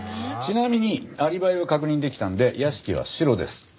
ちなみにアリバイが確認できたんで屋敷はシロです。